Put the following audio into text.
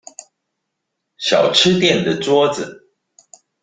小吃店的桌子